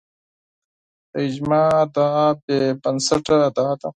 د اجماع ادعا بې بنسټه ادعا ده